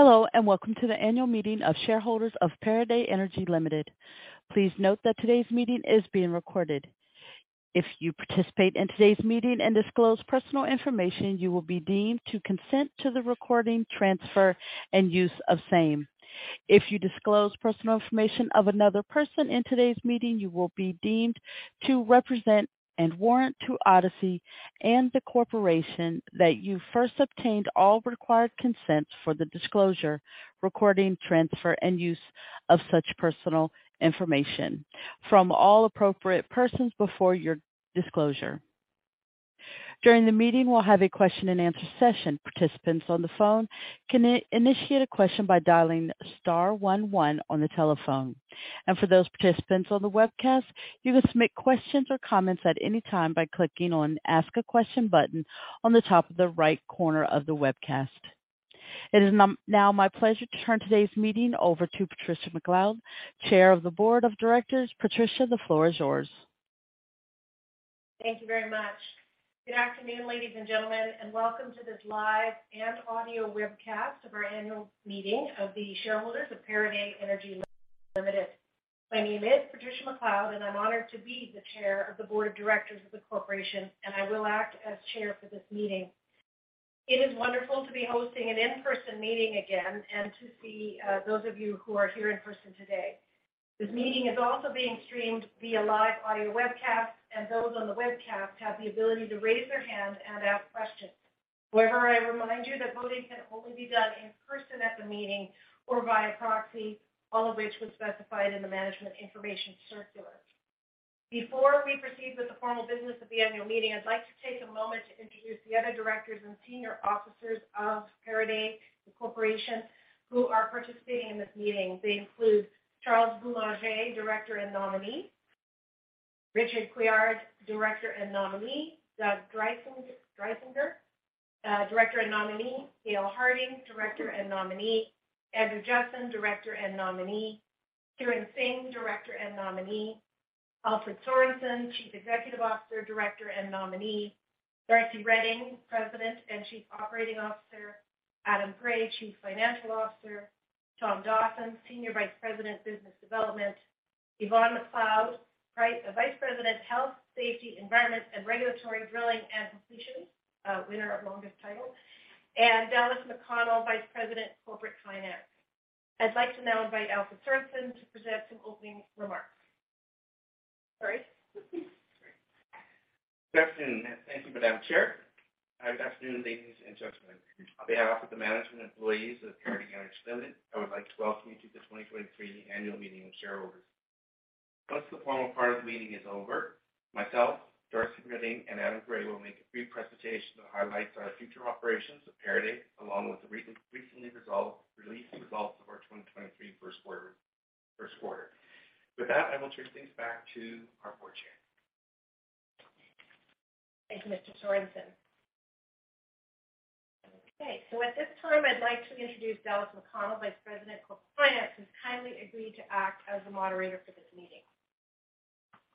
Hello. Welcome to the annual meeting of shareholders of Pieridae Energy Limited. Please note that today's meeting is being recorded. If you participate in today's meeting and disclose personal information, you will be deemed to consent to the recording, transfer, and use of same. If you disclose personal information of another person in today's meeting, you will be deemed to represent and warrant to Odyssey and the corporation that you first obtained all required consents for the disclosure, recording, transfer, and use of such personal information from all appropriate persons before your disclosure. During the meeting, we'll have a question and answer session. Participants on the phone can initiate a question by dialing star one one on the telephone. For those participants on the webcast, you can submit questions or comments at any time by clicking on Ask a Question button on the top of the right corner of the webcast. It is now my pleasure to turn today's meeting over to Patricia MacLeod, Chair of the Board of Directors. Patricia, the floor is yours. Thank you very much. Good afternoon, ladies and gentlemen, and welcome to this live and audio webcast of our annual meeting of the shareholders of Pieridae Energy Limited. My name is Patricia MacLeod, and I'm honored to be the Chair of the Board of Directors of the corporation, and I will act as chair for this meeting. It is wonderful to be hosting an in-person meeting again and to see those of you who are here in person today. This meeting is also being streamed via live audio webcast, and those on the webcast have the ability to raise their hand and ask questions. However, I remind you that voting can only be done in person at the meeting or via proxy, all of which was specified in the management information circular. Before we proceed with the formal business of the annual meeting, I'd like to take a moment to introduce the other Directors and senior officers of Pieridae corporation, who are participating in this meeting. They include Charles Boulanger, Director and Nominee, Richard Couillard, Director and Nominee, Doug Dreisinger, Director and Nominee, Gail Harding, Director and Nominee, Andrew Judson, Director and Nominee, Kiren Singh, Director and Nominee, Alfred Sorensen, Chief Executive Officer, Director and Nominee, Darcy Reding, President and Chief Operating Officer, Adam Gray, Chief Financial Officer, Thomas Dawson, Senior Vice President, Business Development, Yvonne McLeod, Vice President, Health, Safety, Environment, and Regulatory Drilling and Completions, winner of longest title, Dallas McConnell, Vice President, Corporate Finance. I'd like to now invite Alfred Sorensen to present some opening remarks. Sorry. Good afternoon. Thank you, Madam Chair. Good afternoon, ladies and gentlemen. On behalf of the management employees of Pieridae Energy Limited, I would like to welcome you to the 2023 annual meeting of shareholders. Once the formal part of the meeting is over, myself, Darcy Reding, and Adam Gray will make a brief presentation to highlight our future operations of Pieridae, along with the recently released results of our 2023 first quarter. With that, I will turn things back to our board chair. Thank you, Mr. Sorensen. Okay, at this time, I'd like to introduce Dallas McConnell, Vice President, Corporate Finance, who's kindly agreed to act as the moderator for this meeting.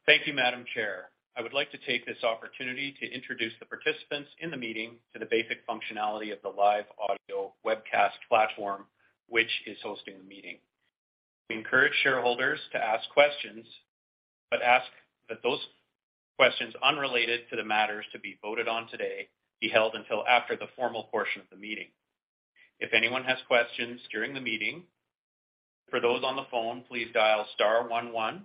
Thank you, Madam Chair. I would like to take this opportunity to introduce the participants in the meeting to the basic functionality of the live audio webcast platform, which is hosting the meeting. We encourage shareholders to ask questions, but ask that those questions unrelated to the matters to be voted on today be held until after the formal portion of the meeting. If anyone has questions during the meeting, for those on the phone, please dial star one one.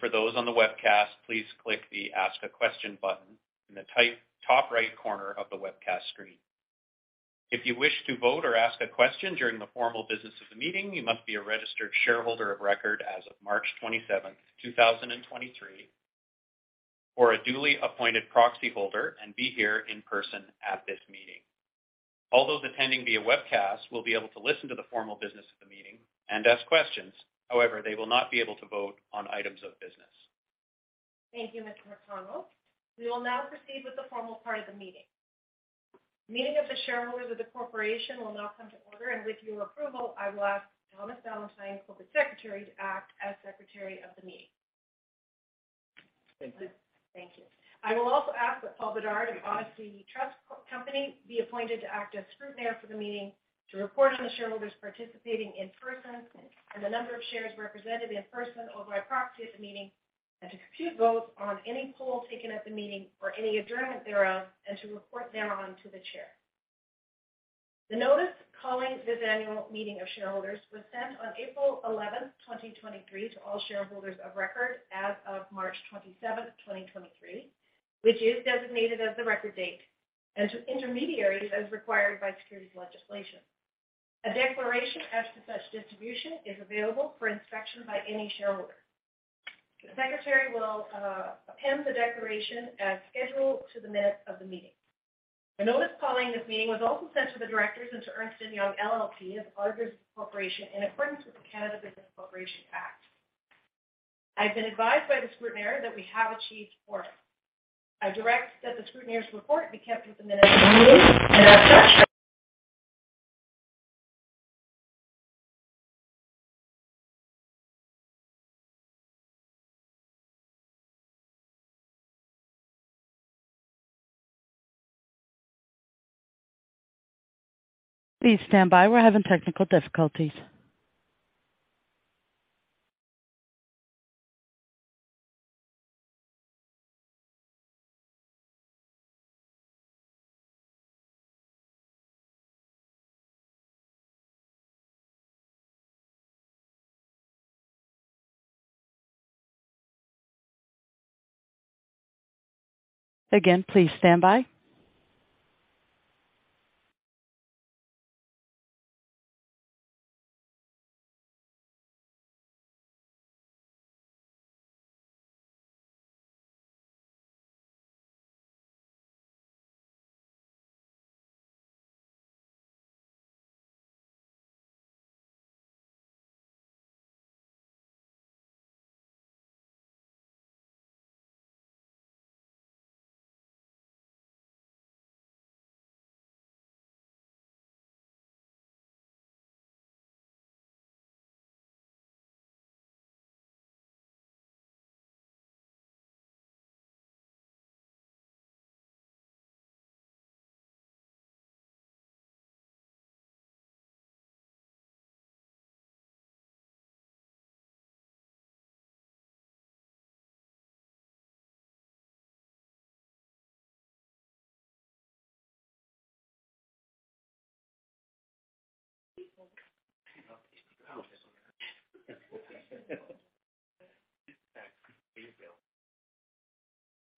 For those on the webcast, please click the Ask a Question button in the top right corner of the webcast screen. If you wish to vote or ask a question during the formal business of the meeting, you must be a registered shareholder of record as of March 27, 2023, or a duly appointed proxyholder and be here in person at this meeting. All those attending via webcast will be able to listen to the formal business of the meeting and ask questions. However, they will not be able to vote on items of business. Thank you, Mr. McConnell. We will now proceed with the formal part of the meeting. The meeting of the shareholders of the corporation will now come to order, and with your approval, I will ask Thomas Valentine, Corporate Secretary, to act as secretary of the meeting. Thank you. Thank you. I will also ask that Paul Bedard of Odyssey Trust Company be appointed to act as scrutineer for the meeting to report on the shareholders participating in person and the number of shares represented in person or by proxy at the meeting, and to compute votes on any poll taken at the meeting or any adjournment thereof, and to report thereon to the Chair. The notice calling this annual meeting of shareholders was sent on April 11, 2023, to all shareholders of record as of March 27, 2023, which is designated as the record date, and to intermediaries as required by securities legislation. A declaration as to such distribution is available for inspection by any shareholder. The Secretary will append the declaration as scheduled to the minutes of the meeting. The notice calling this meeting was also sent to the directors and to Ernst & Young LLP as auditors of the corporation in accordance with the Canada Business Corporations Act. I've been advised by the scrutineer that we have achieved forum. I direct that the scrutineer's report be kept with the minutes of the meeting. Please stand by. We're having technical difficulties. Again, please stand by.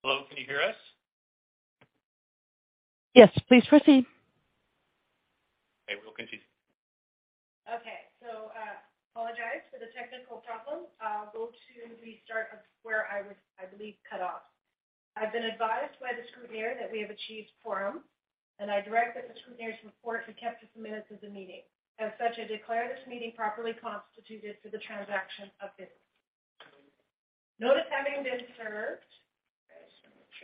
Hello, can you hear us? Yes, please proceed. Okay, we're looking to you. Okay. Apologize for the technical problem. I'll go to the start of where I was, I believe, cut off. I've been advised by the scrutineer that we have achieved quorum, and I direct that the scrutineer's report be kept to the minutes of the meeting. As such, I declare this meeting properly constituted for the transaction of business. Notice having been served. I just wanna make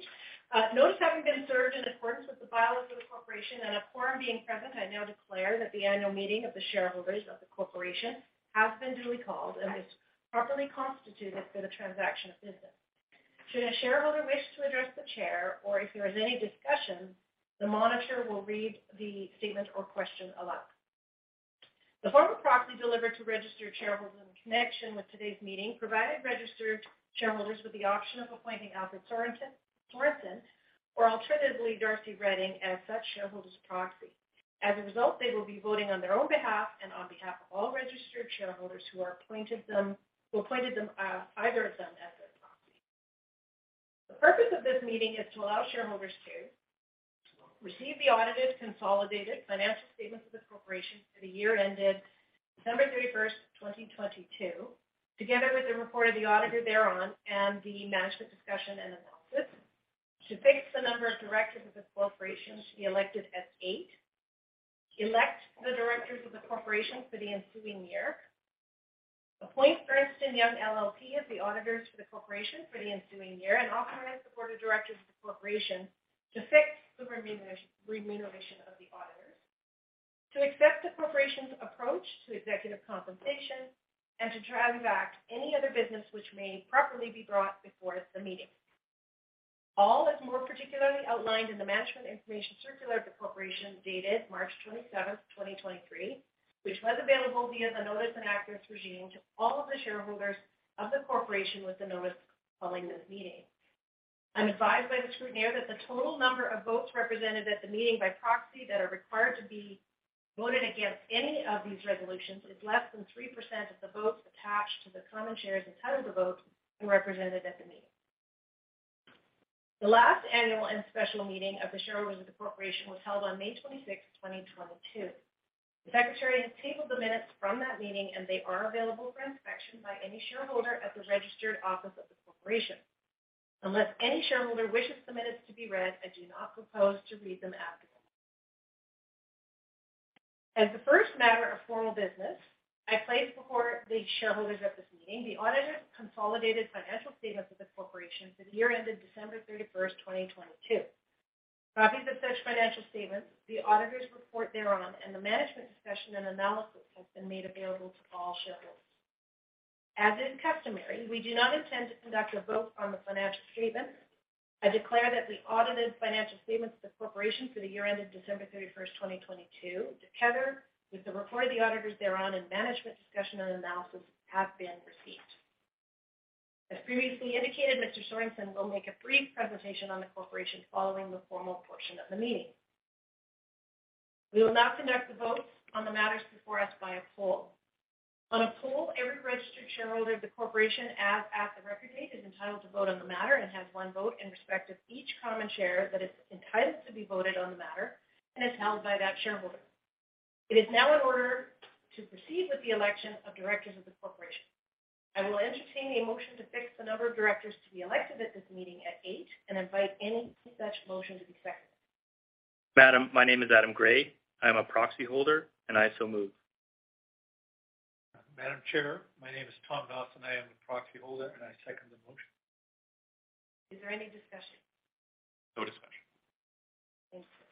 sure. Notice having been served in accordance with the bylaws of the corporation and a quorum being present, I now declare that the annual meeting of the shareholders of the corporation has been duly called and is properly constituted for the transaction of business. Should a shareholder wish to address the chair or if there is any discussion, the monitor will read the statement or question aloud. The form of proxy delivered to registered shareholders in connection with today's meeting, provided registered shareholders with the option of appointing Alfred Sorensen or alternatively Darcy Reding as such shareholder's proxy. As a result, they will be voting on their own behalf and on behalf of all registered shareholders who appointed them, either of them as their proxy. The purpose of this meeting is to allow shareholders to receive the audited, consolidated financial statements of the corporation for the year ended December 31st, 2022, together with the report of the auditor thereon and the management discussion and analysis, to fix the number of directors of the corporation to be elected as eight, elect the directors of the corporation for the ensuing year, appoint Ernst & Young LLP as the auditors for the corporation for the ensuing year, and authorize the board of directors of the corporation to fix the remuneration of the auditors, to accept the corporation's approach to executive compensation, and to transact any other business which may properly be brought before the meeting. All as more particularly outlined in the management information circular of the corporation dated March 27th, 2023, which was available via the notice and access regime to all of the shareholders of the corporation with the notice calling this meeting. I'm advised by the scrutineer that the total number of votes represented at the meeting by proxy that are required to be voted against any of these resolutions is less than 3% of the votes attached to the common shares entitled to vote and represented at the meeting. The last annual and special meeting of the shareholders of the corporation was held on May 26th, 2022. The secretary has tabled the minutes from that meeting. They are available for inspection by any shareholder at the registered office of the corporation. Unless any shareholder wishes the minutes to be read, I do not propose to read them at this meeting. As the first matter of formal business, I place before the shareholders at this meeting the audited, consolidated financial statements of the corporation for the year ended December 31st, 2022. Copies of such financial statements, the auditor's report thereon, and the management discussion and analysis have been made available to all shareholders. As is customary, we do not intend to conduct a vote on the financial statements. I declare that the audited financial statements of the corporation for the year ended December 31st, 2022, together with the report of the auditors thereon and management discussion and analysis, have been received. As previously indicated, Mr. Sorensen will make a brief presentation on the corporation following the formal portion of the meeting. We will now conduct the votes on the matters before us by a poll. On a poll, every registered shareholder of the corporation, as at the record date, is entitled to vote on the matter and has one vote in respect of each common share that is entitled to be voted on the matter and is held by that shareholder. It is now in order to proceed with the election of directors of the corporation. I will entertain a motion to fix the number of directors to be elected at this meeting at eight and invite any such motion to be seconded. Madam, my name is Adam Gray. I am a proxy holder, and I so move. Madam Chair, my name is Thomas Dawson. I am a proxy holder, and I second the motion. Is there any discussion? No discussion. Thank you.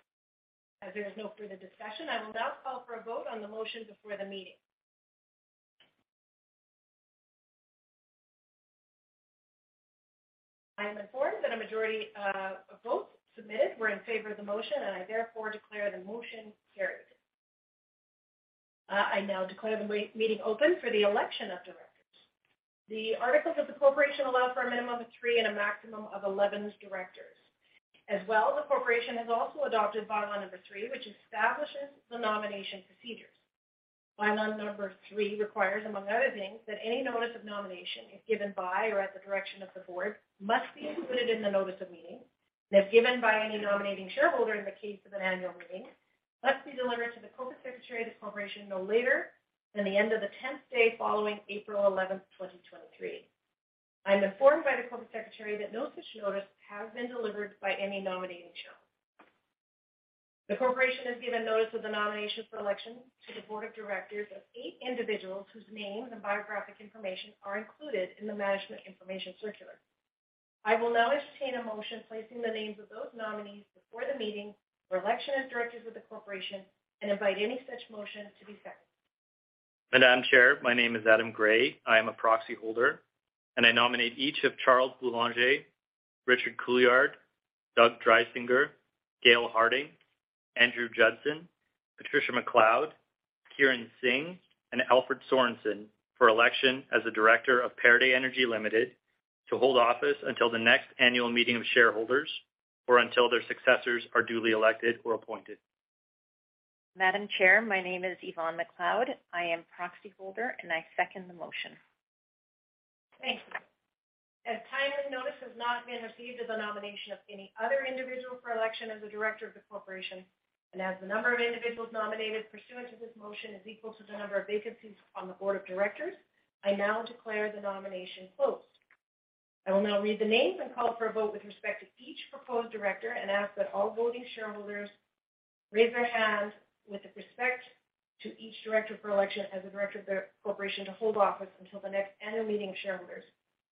As there is no further discussion, I will now call for a vote on the motion before the meeting. I am informed that a majority of votes submitted were in favor of the motion, and I therefore declare the motion carried. I now declare the meeting open for the election of directors. The articles of the corporation allow for a minimum of three and a maximum of 11 directors. As well, the corporation has also adopted bylaw number three, which establishes the nomination procedures. Bylaw number three requires, among other things, that any notice of nomination is given by or at the direction of the board must be included in the notice of meeting. That given by any nominating shareholder in the case of an annual meeting, must be delivered to the corporate secretary of the corporation no later than the end of the tenth day following April 11, 2023. I'm informed by the corporate secretary that no such notice has been delivered by any nominating shareholder. The corporation has given notice of the nomination for election to the board of directors of eight individuals whose names and biographic information are included in the management information circular. I will now entertain a motion placing the names of those nominees before the meeting for election as directors of the corporation and invite any such motion to be set. Madam Chair. My name is Adam Gray. I am a proxy holder, and I nominate each of Charles Boulanger, Richard Couillard, Doug Dreisinger, Gail Harding, Andrew Judson, Patricia MacLeod, Kiren Singh, and Alfred Sorensen for election as a director of Cavvy Energy Ltd. to hold office until the next annual meeting of shareholders or until their successors are duly elected or appointed. Madam Chair. My name is Yvonne McLeod. I am proxy holder, and I second the motion. Thank you. As timely notice has not been received of the nomination of any other individual for election as a director of the corporation and as the number of individuals nominated pursuant to this motion is equal to the number of vacancies on the board of directors, I now declare the nomination closed. I will now read the names and call for a vote with respect to each proposed director and ask that all voting shareholders raise their hands with respect to each director for election as a director of the corporation to hold office until the next annual meeting of shareholders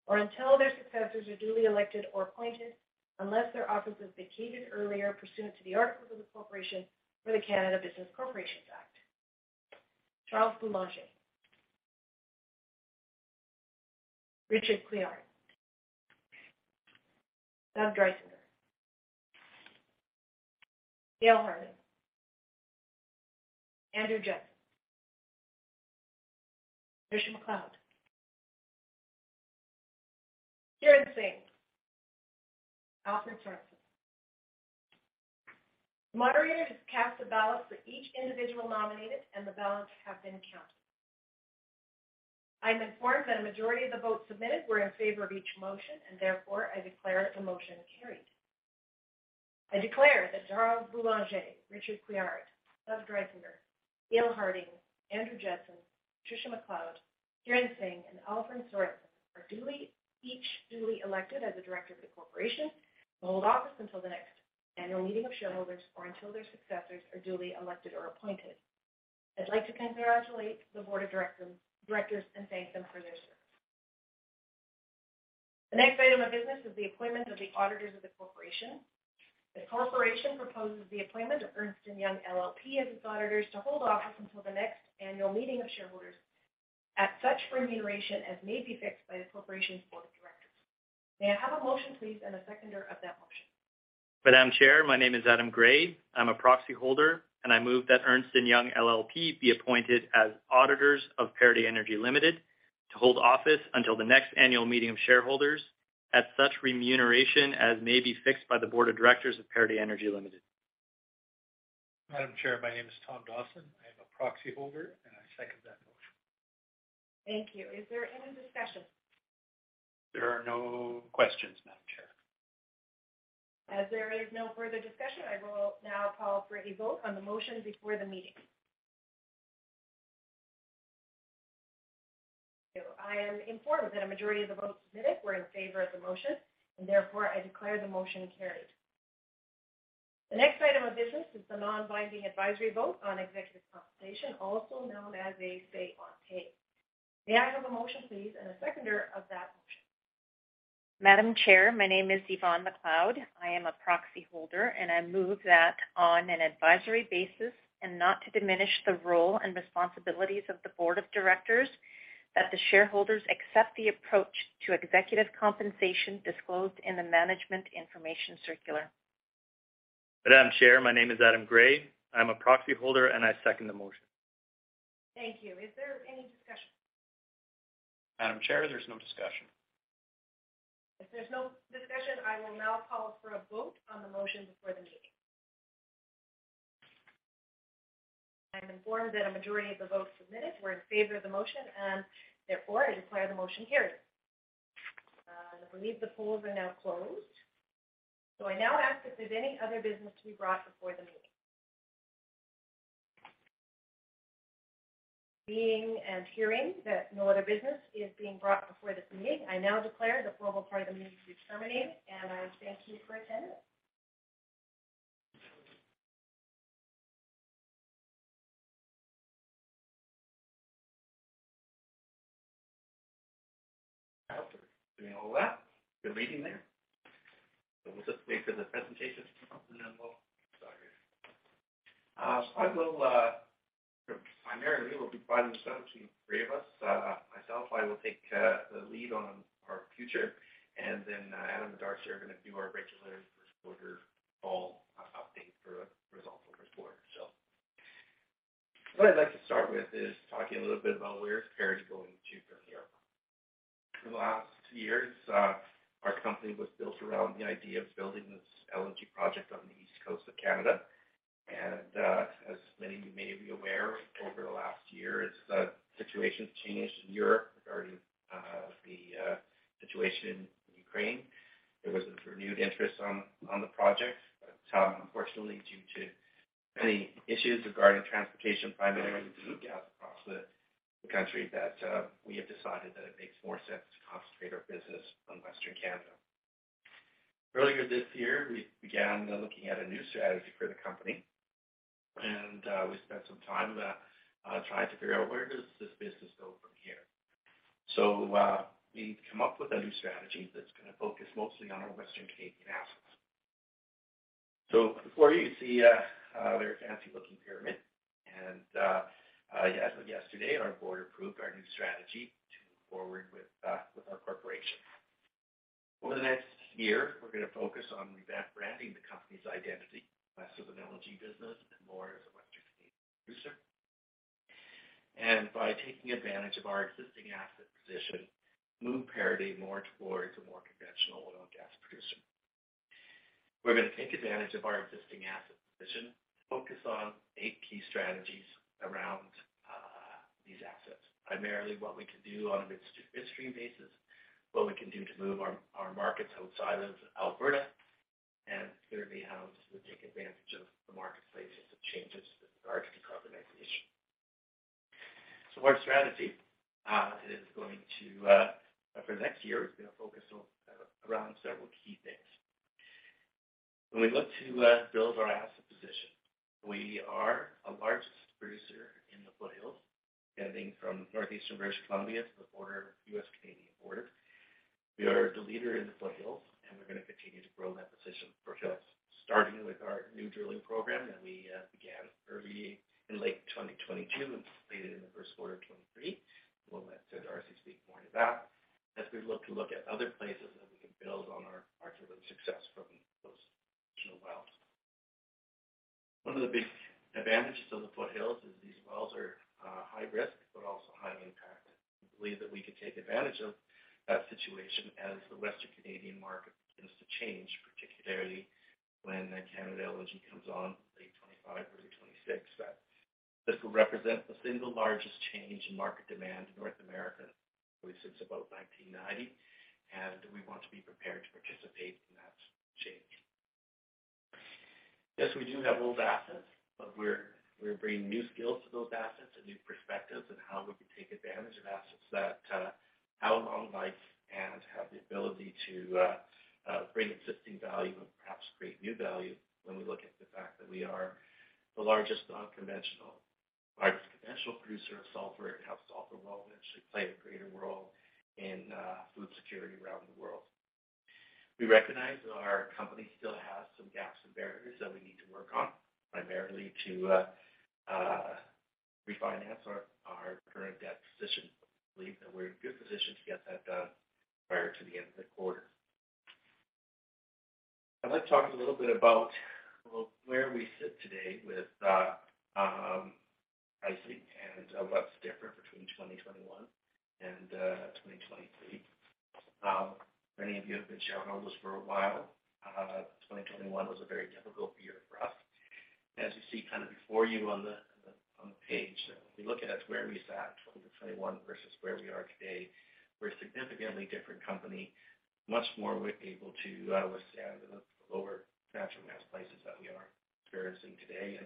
or until their successors are duly elected or appointed, unless their office is vacated earlier pursuant to the articles of the corporation or the Canada Business Corporations Act. Charles Boulanger. Richard Couillard. Doug Dreisinger. Gail Harding. Andrew Judson. Patricia MacLeod. Kiren Singh. Alfred Sorensen. The moderator has cast a ballot for each individual nominated, and the ballots have been counted. I'm informed that a majority of the votes submitted were in favor of each motion. I declare the motion carried. I declare that Charles Boulanger, Richard Couillard, Doug Dreisinger, Gail Harding, Andrew Judson, Patricia MacLeod, Kiren Singh, and Alfred Sorensen are each duly elected as a director of the corporation to hold office until the next annual meeting of shareholders or until their successors are duly elected or appointed. I'd like to congratulate the board of directors and thank them for their service. The next item of business is the appointment of the auditors of the corporation. The corporation proposes the appointment of Ernst & Young LLP as its auditors to hold office until the next annual meeting of shareholders. At such remuneration as may be fixed by the corporation's board of directors. May I have a motion, please, and a seconder of that motion? Madam Chair, my name is Adam Gray. I move that Ernst & Young LLP be appointed as auditors of Pieridae Energy Limited to hold office until the next annual meeting of shareholders at such remuneration as may be fixed by the board of directors of Pieridae Energy Limited. Madam Chair, My name is Thomas Dawson. I am a proxy holder, and I second that motion. Thank you. Is there any discussion? There are no questions, Madam Chair. As there is no further discussion, I will now call for a vote on the motion before the meeting. I am informed that a majority of the votes submitted were in favor of the motion, and therefore I declare the motion carried. The next item of business is the non-binding advisory vote on executive compensation, also known as a say on pay. May I have a motion, please, and a seconder of that motion. Madam Chair. My name is Yvonne McLeod. I am a proxy holder, and I move that on an advisory basis and not to diminish the role and responsibilities of the board of directors, that the shareholders accept the approach to executive compensation disclosed in the management information circular. Madam Chair, my name is Adam Gray. I'm a proxy holder, and I second the motion. Thank you. Is there any discussion? Madam Chair, there's no discussion. If there's no discussion, I will now call for a vote on the motion before the meeting. I'm informed that a majority of the votes submitted were in favor of the motion. Therefore, I declare the motion carried. I believe the polls are now closed. I now ask if there's any other business to be brought before the meeting. Being and hearing that no other business is being brought before this meeting, I now declare the formal part of the meeting is terminated, and I thank you for attending. After doing all that, good meeting there. We'll just wait for the presentations to come in, so I will primarily will be dividing this up between the three of us. Myself, I will take the lead on our future, and then Adam and Darcy are gonna do our regulatory disclosure call update for results for this quarter. What I'd like to start with is talking a little bit about where is Cavvy Energy going to from here. For the last two years, our company was built around the idea of building this LNG project on the east coast of Canada. As many of you may be aware, over the last year, the situation's changed in Europe regarding the situation in Ukraine. There was a renewed interest on the project. Unfortunately, due to many issues regarding transportation primarily through gas across the country, that we have decided that it makes more sense to concentrate our business on Western Canada. Earlier this year, we began looking at a new strategy for the company, and we spent some time trying to figure out where does this business go from here. We've come up with a new strategy that's gonna focus mostly on our Western Canadian assets. Before you see a very fancy-looking pyramid, and as of yesterday, our board approved our new strategy to move forward with our corporation. Over the next year, we're gonna focus on rebranding the company's identity less of an LNG business and more as a Western Canadian producer. By taking advantage of our existing asset position, move Pieridae more towards a more conventional oil and gas producer. We're gonna take advantage of our existing asset position, focus on eight key strategies around these assets. Primarily what we can do on a midstream basis, what we can do to move our markets outside of Alberta, and thirdly, how to take advantage of the marketplace as it changes with regard to decarbonization. Our strategy for the next year, is gonna focus on around several key things. When we look to build our asset position, we are a largest producer in the Foothills, extending from northeastern British Columbia to the border, US-Canadian border. We are the leader in the Foothills, we're going to continue to grow that position in the Foothills, starting with our new drilling program that we began early in late 2022 and completed in the first quarter of 2023. We'll let Darcy Reding speak more into that. As we look at other places that we can build on our current success from those additional wells. One of the big advantages of the Foothills is these wells are high risk but also high impact. We believe that we can take advantage of that situation as the Western Canadian market begins to change, particularly when LNG Canada comes on late 2025, early 2026. This will represent the single largest change in market demand in North America really since about 1990, we want to be prepared to participate in that change. Yes, we do have old assets, but we're bringing new skills to those assets and new perspectives on how we can take advantage of assets that have a long life and have the ability to bring existing value and perhaps create new value when we look at the fact that we are the largest conventional producer of sulfur and have sulfur involvement to play a greater role in food security around the world. We recognize that our company still has some gaps and barriers that we need to work on, primarily to refinance our current debt position. We believe that we're in a good position to get that done prior to the end of the quarter. I'd like to talk a little bit about, well, where we sit today with pricing and what's different between 2021 and 2023. Many of you have been shareholders for a while. 2021 was a very difficult year for us. As you see kind of before you on the page, if we look at where we sat in 2021 versus where we are today, we're a significantly different company, much more able to withstand the lower natural gas prices that we are experiencing today.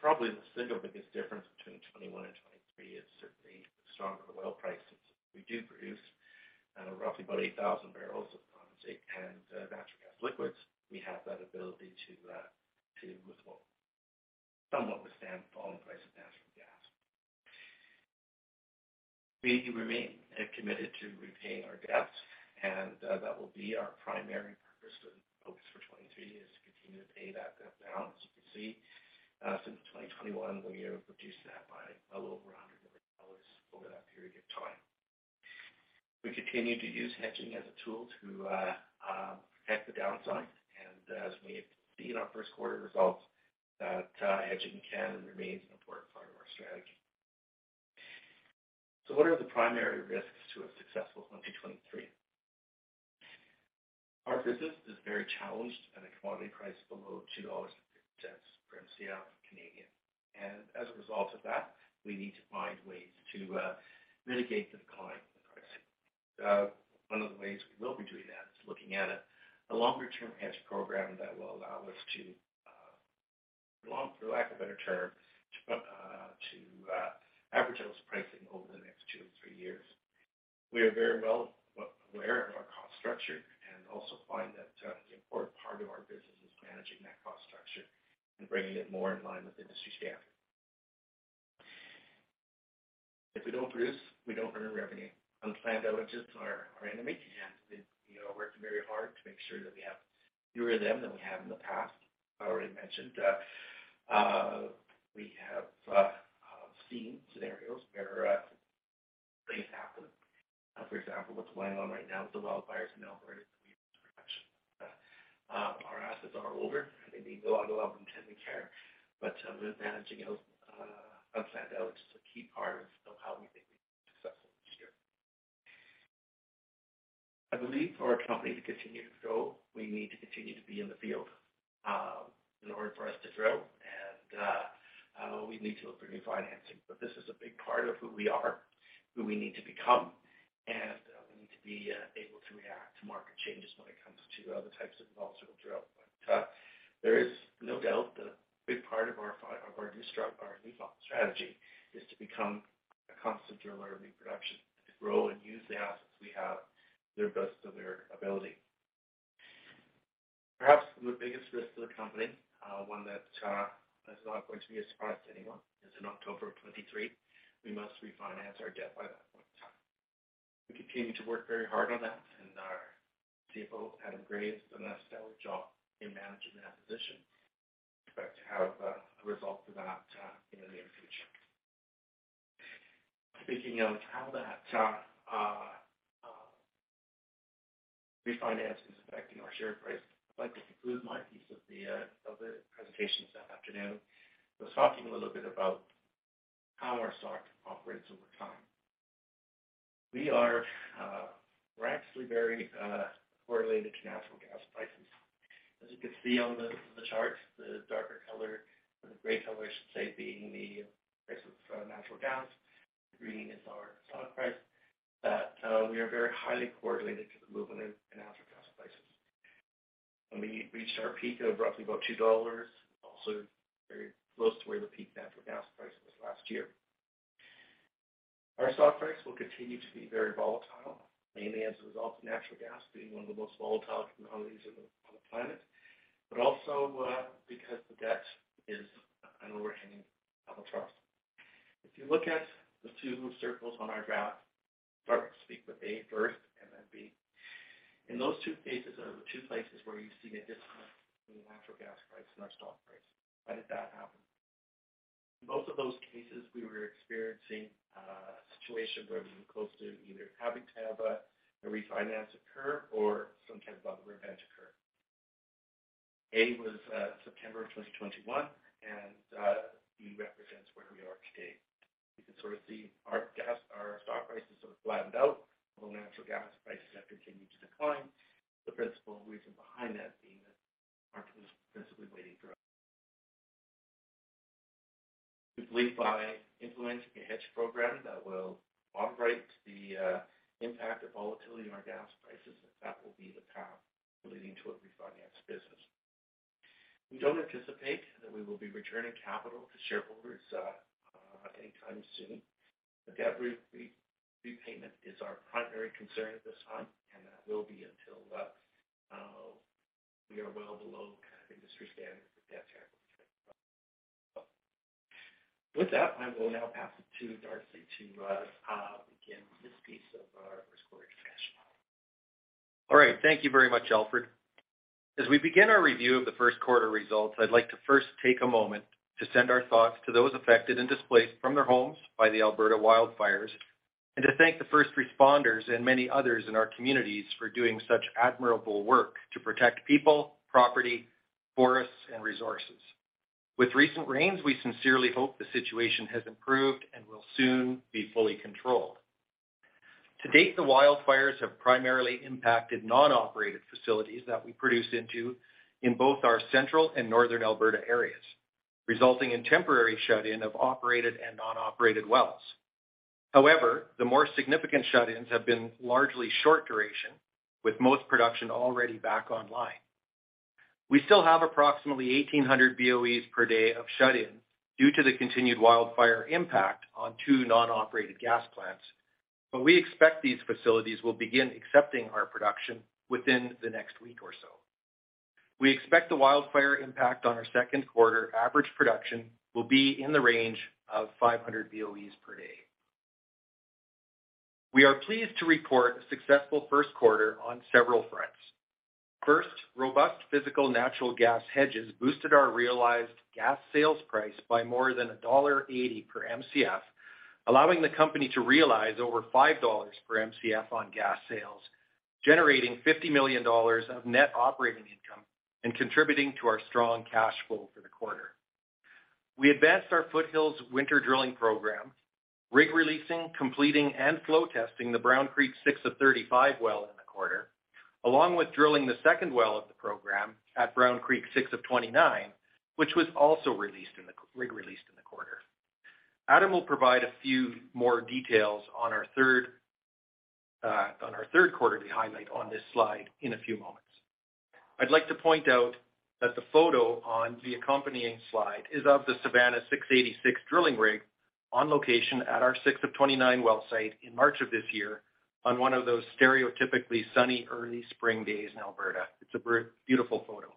Probably the single biggest difference between 21 and 23 is certainly the stronger the oil prices. We do produce, roughly about 8,000 barrels of condensate and natural gas liquids. We have that ability to somewhat withstand the falling price of natural gas. We remain committed to repaying our debts, that will be our primary focus for 2023 is to continue to pay that debt down. As you can see, since 2021, we have reduced that by a little over 100 million dollars over that period of time. We continue to use hedging as a tool to protect the downside. As we have seen in our first quarter results, that hedging can and remains an important part of our strategy. What are the primary risks to a successful 2023? Our business is very challenged at a commodity price below 2.50 dollars per MCF Canadian. As a result of that, we need to find ways to mitigate the decline in the pricing. One of the ways we will be doing that is looking at a longer-term hedge program that will allow us to, for lack of a better term, to average those pricing over the next 2-3 years. We are very well aware of our cost structure and also find that the important part of our business is managing that cost structure and bringing it more in line with industry standard. If we don't produce, we don't earn revenue. Unplanned outages are enemy, you know, worked very hard to make sure that we have fewer of them than we have in the past. I already mentioned, we have seen scenarios where things happen. For example, what's going on right now with the wildfires in Alberta. We've mentioned that our assets are over. They need to go out of intended care, but managing those unplanned outages is a key part of how we think we've been successful this year. I believe for our company to continue to grow, we need to continue to be in the field in order for us to grow. We need to look for new financing. This is a big part of who we are, who we need to become, and we need to be able to react to market changes when it comes to other types of wells that we'll drill. There is no doubt that a big part of our new strategy is to become a constant driller of reproduction, to grow and use the assets we have to the best of their ability. Perhaps the biggest risk to the company, one that, is not going to be a surprise to anyone, is in October of 2023, we must refinance our debt by that point in time. We continue to work very hard on that, and our people have done a great, an outstanding job in managing that position. Expect to have a result of that in the near future. Speaking of how that refinance is affecting our share price, I'd like to conclude my piece of the presentation this afternoon. I was talking a little bit about how our stock operates over time. We are, we're actually very, correlated to natural gas prices. As you can see on the chart, the darker color or the gray color, I should say, being the price of natural gas. The green is our stock price, that we are very highly correlated to the movement in natural gas prices. When we reached our peak of roughly about 2 dollars, also very close to where the peak natural gas price was last year. Our stock price will continue to be very volatile, mainly as a result of natural gas being one of the most volatile commodities on the planet, but also because the debt is an overhanging albatross. If you look at the two circles on our graph, starting to speak with A first and then B. In those two cases are the two places where you see a disconnect between natural gas price and our stock price. How did that happen? In both of those cases, we were experiencing a situation where we were close to either having to have a refinance occur or some type of other event occur. A was September of 2021. B represents where we are today. You can sort of see our gas, our stock prices sort of flattened out, while natural gas prices have continued to decline. The principal reason behind that being that the market was principally waiting for us. We believe by influencing a hedge program that will upright the impact of volatility on our gas prices, that that will be the path leading to a refinance business. We don't anticipate that we will be returning capital to shareholders anytime soon. The debt repayment is our primary concern at this time, and that will be until we are well below kind of industry standard for debt service. With that, I will now pass it to Darcy to begin this piece of our first quarter discussion. All right. Thank you very much, Alfred. As we begin our review of the first quarter results, I'd like to first take a moment to send our thoughts to those affected and displaced from their homes by the Alberta wildfires, and to thank the first responders and many others in our communities for doing such admirable work to protect people, property, forests and resources. With recent rains, we sincerely hope the situation has improved and will soon be fully controlled. To date, the wildfires have primarily impacted non-operated facilities that we produce into in both our central and northern Alberta areas, resulting in temporary shut-in of operated and non-operated wells. However, the more significant shut-ins have been largely short duration, with most production already back online. We still have approximately 1,800 BOEs per day of shut-in due to the continued wildfire impact on two non-operated gas plants, but we expect these facilities will begin accepting our production within the next week or so. We expect the wildfire impact on our second quarter average production will be in the range of 500 BOEs per day. We are pleased to report a successful first quarter on several fronts. First, robust physical natural gas hedges boosted our realized gas sales price by more than dollar 1.80 per MCF, allowing the company to realize over 5 dollars per Mcf on gas sales, generating 50 million dollars of net operating income and contributing to our strong cash flow for the quarter. We advanced our Foothills winter drilling program, rig releasing, completing, and flow testing the Brown Creek 6-35 well in the quarter, along with drilling the second well of the program at Brown Creek 6-29, which was also rig released in the quarter. Adam will provide a few more details on our third quarter highlight on this slide in a few moments. I'd like to point out that the photo on the accompanying slide is of the Savannah 686 drilling rig on location at our 6-29 well site in March of this year on one of those stereotypically sunny early spring days in Alberta. It's a very beautiful photo.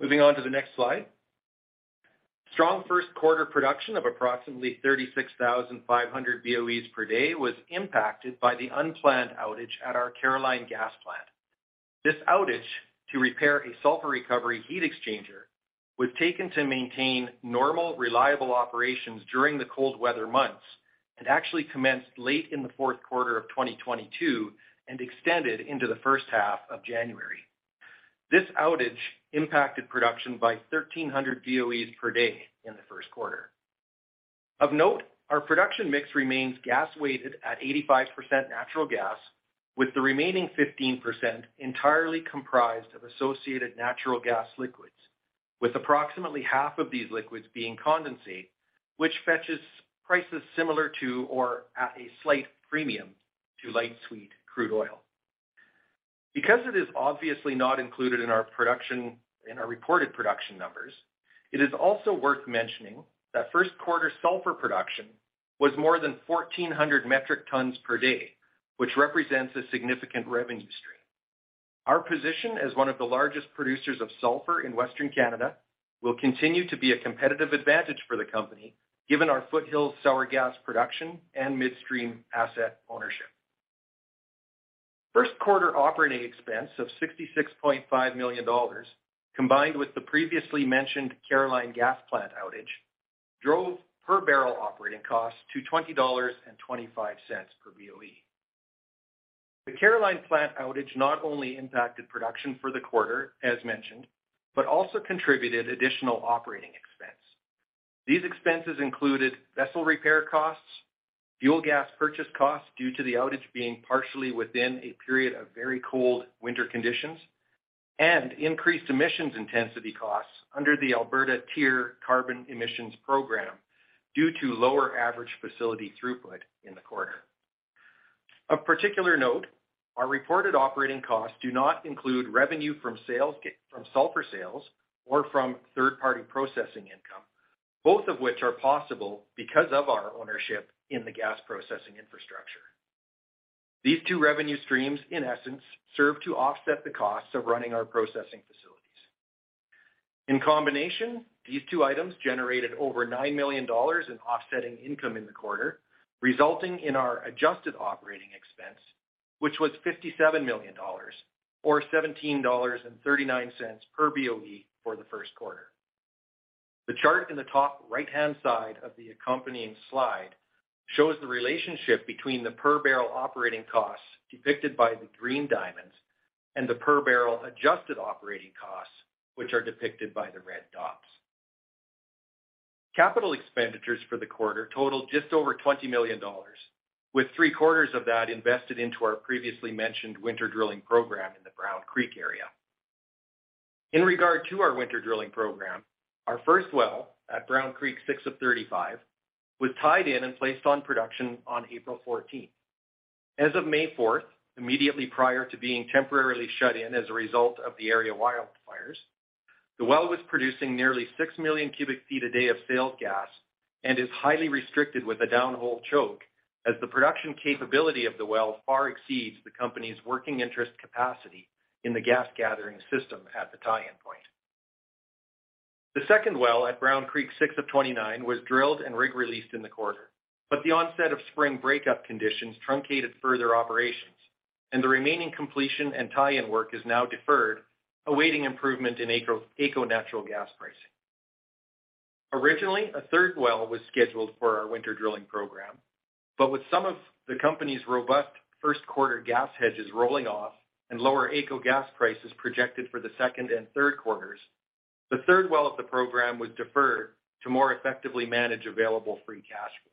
Moving on to the next slide. Strong first quarter production of approximately 36,500 BOEs per day was impacted by the unplanned outage at our Caroline gas plant. This outage to repair a sulfur recovery heat exchanger was taken to maintain normal, reliable operations during the cold weather months and actually commenced late in the fourth quarter of 2022 and extended into the first half of January. This outage impacted production by 1,300 BOEs per day in the first quarter. Of note, our production mix remains gas-weighted at 85% natural gas, with the remaining 15% entirely comprised of associated natural gas liquids, with approximately half of these liquids being condensate, which fetches prices similar to or at a slight premium to light sweet crude oil. It is obviously not included in our reported production numbers, it is also worth mentioning that first quarter sulfur production was more than 1,400 metric tons per day, which represents a significant revenue stream. Our position as one of the largest producers of sulfur in Western Canada will continue to be a competitive advantage for the company, given our Foothills sour gas production and midstream asset ownership. First quarter operating expense of 66.5 million dollars, combined with the previously mentioned Caroline gas plant outage, drove per barrel operating costs to 20.25 dollars per BOE. The Caroline plant outage not only impacted production for the quarter, as mentioned, but also contributed additional operating expense. These expenses included vessel repair costs, fuel gas purchase costs due to the outage being partially within a period of very cold winter conditions, and increased emissions intensity costs under the Alberta TIER Carbon Emissions Program due to lower average facility throughput in the quarter. Of particular note, our reported operating costs do not include revenue from sales from sulfur sales or from third-party processing income, both of which are possible because of our ownership in the gas processing infrastructure. These two revenue streams, in essence, serve to offset the costs of running our processing facilities. In combination, these two items generated over 9 million dollars in offsetting income in the quarter, resulting in our adjusted operating expense, which was 57 million dollars or 17.39 dollars per BOE for the first quarter. The chart in the top right-hand side of the accompanying slide shows the relationship between the per barrel operating costs depicted by the green diamonds and the per barrel adjusted operating costs, which are depicted by the red dots. Capital expenditures for the quarter totaled just over 20 million dollars, with three-quarters of that invested into our previously mentioned winter drilling program in the Brown Creek area. In regard to our winter drilling program, our first well at Brown Creek, 6-35, was tied in and placed on production on April 14th. As of May fourth, immediately prior to being temporarily shut in as a result of the area wildfires, the well was producing nearly six million cubic feet a day of sale gas and is highly restricted with a down-hole choke as the production capability of the well far exceeds the company's working interest capacity in the gas gathering system at the tie-in point. The second well at Brown Creek, 6-29, was drilled and rig released in the quarter. The onset of spring breakup conditions truncated further operations, and the remaining completion and tie-in work is now deferred, awaiting improvement in AECO natural gas pricing. A third well was scheduled for our winter drilling program, but with some of the company's robust first quarter gas hedges rolling off and lower AECO gas prices projected for the second and third quarters, the third well of the program was deferred to more effectively manage available free cash flow.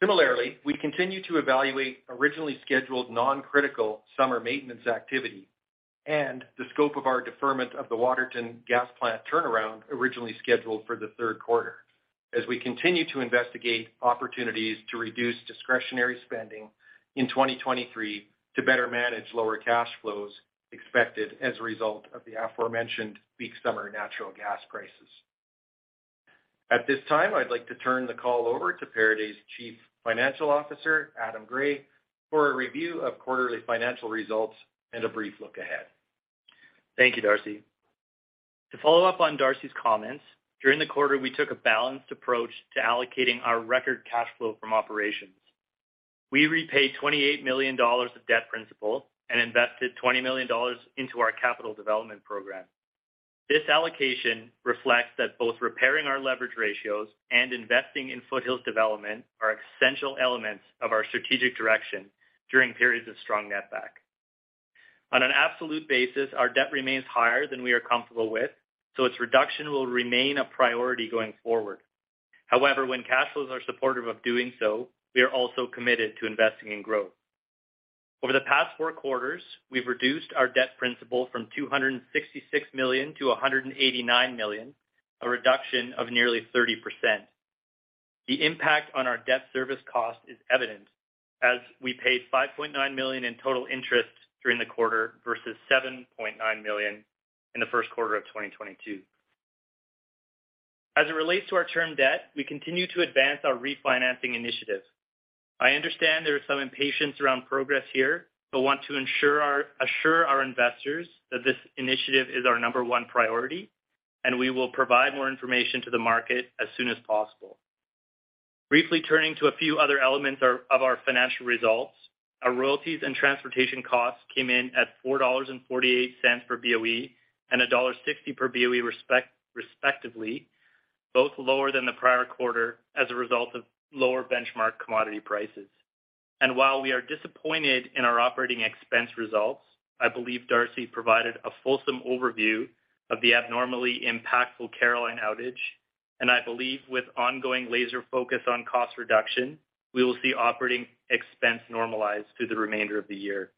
Similarly, we continue to evaluate originally scheduled non-critical summer maintenance activity and the scope of our deferment of the Waterton gas plant turnaround originally scheduled for the third quarter as we continue to investigate opportunities to reduce discretionary spending in 2023 to better manage lower cash flows expected as a result of the aforementioned weak summer natural gas prices. At this time, I'd like to turn the call over to Pieridae's Chief Financial Officer, Adam Gray, for a review of quarterly financial results and a brief look ahead. Thank you, Darcy. To follow up on Darcy's comments, during the quarter, we took a balanced approach to allocating our record cash flow from operations. We repaid 28 million dollars of debt principal and invested 20 million dollars into our capital development program. This allocation reflects that both repairing our leverage ratios and investing in Foothills development are essential elements of our strategic direction during periods of strong netback. On an absolute basis, our debt remains higher than we are comfortable with. Its reduction will remain a priority going forward. However, when cash flows are supportive of doing so, we are also committed to investing in growth. Over the past four quarters, we've reduced our debt principal from 266 million to 189 million, a reduction of nearly 30%. The impact on our debt service cost is evident as we paid 5.9 million in total interest during the quarter versus 7.9 million in the first quarter of 2022. As it relates to our term debt, we continue to advance our refinancing initiative. I understand there is some impatience around progress here, but want to assure our investors that this initiative is our number one priority, and we will provide more information to the market as soon as possible. Briefly turning to a few other elements of our financial results. Our royalties and transportation costs came in at 4.48 dollars per BOE and dollar 1.60 per BOE, respectively, both lower than the prior quarter as a result of lower benchmark commodity prices. While we are disappointed in our operating expense results, I believe Darcy provided a fulsome overview of the abnormally impactful Caroline outage, and I believe with ongoing laser focus on cost reduction, we will see operating expense normalize through the remainder of the year.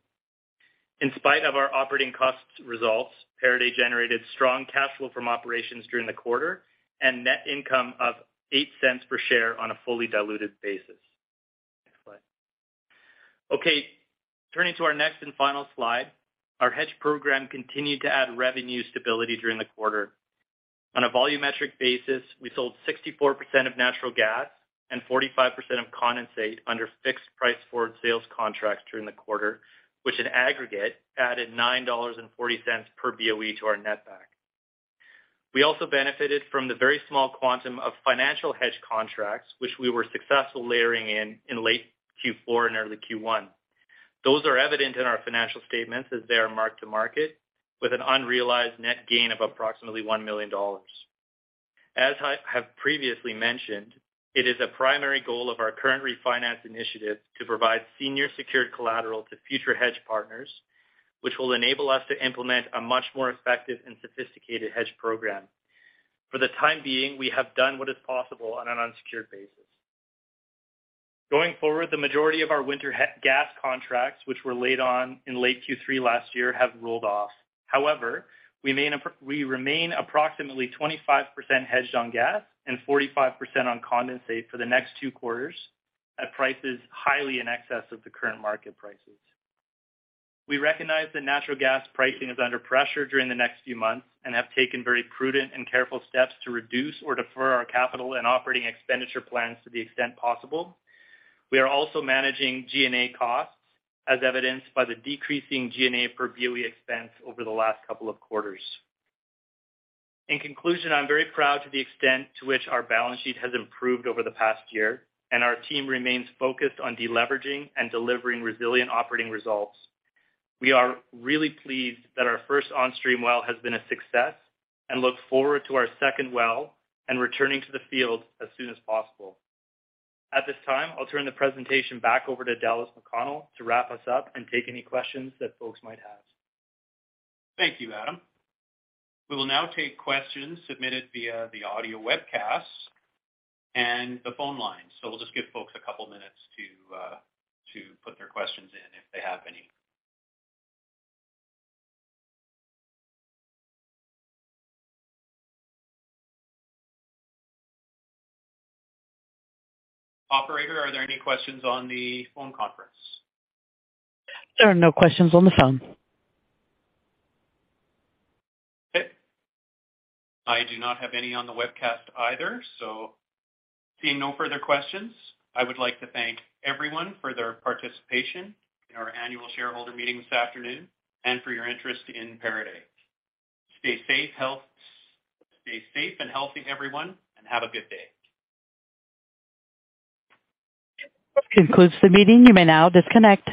In spite of our operating cost results, Pieridae generated strong cash flow from operations during the quarter and net income of 0.08 per share on a fully diluted basis. Next slide. Okay, turning to our next and final slide. Our hedge program continued to add revenue stability during the quarter. On a volumetric basis, we sold 64% of natural gas and 45% of condensate under fixed price forward sales contracts during the quarter, which in aggregate added 9.40 dollars per BOE to its netback. We also benefited from the very small quantum of financial hedge contracts, which we were successful layering in in late Q4 and early Q1. Those are evident in our financial statements as they are marked to market with an unrealized net gain of approximately 1 million dollars. As I have previously mentioned, it is a primary goal of our current refinance initiative to provide senior secured collateral to future hedge partners, which will enable us to implement a much more effective and sophisticated hedge program. For the time being, we have done what is possible on an unsecured basis. Going forward, the majority of our winter gas contracts, which were laid on in late Q3 last year, have rolled off. However, we remain approximately 25% hedged on gas and 45% on condensate for the next two quarters at prices highly in excess of the current market prices. We recognize that natural gas pricing is under pressure during the next few months and have taken very prudent and careful steps to reduce or defer our capital and operating expenditure plans to the extent possible. We are also managing G&A costs, as evidenced by the decreasing G&A per BOE expense over the last couple of quarters. In conclusion, I'm very proud to the extent to which our balance sheet has improved over the past year and our team remains focused on deleveraging and delivering resilient operating results. We are really pleased that our first onstream well has been a success and look forward to our second well and returning to the field as soon as possible. At this time, I'll turn the presentation back over to Dallas McConnell to wrap us up and take any questions that folks might have. Thank you, Adam. We will now take questions submitted via the audio webcast and the phone line. We'll just give folks a couple minutes to to put their questions in if they have any. Operator, are there any questions on the phone conference? There are no questions on the phone. Okay. I do not have any on the webcast either. Seeing no further questions, I would like to thank everyone for their participation in our annual shareholder meeting this afternoon and for your interest in Pieridae. Stay safe and healthy, everyone, and have a good day. This concludes the meeting. You may now disconnect.